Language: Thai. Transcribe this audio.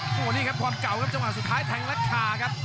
โอ้โหนี่ครับความเก่าครับจังหวะสุดท้ายแทงและขาครับ